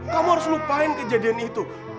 kamu harus lupain kejadian itu